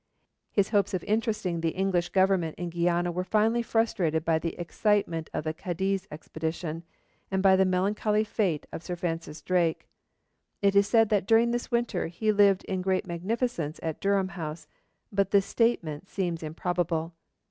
His hopes of interesting the English Government in Guiana were finally frustrated by the excitement of the Cadiz expedition, and by the melancholy fate of Sir Francis Drake. It is said that during this winter he lived in great magnificence at Durham House, but this statement seems improbable.